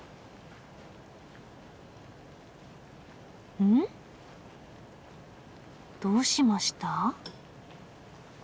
うん？どうしました？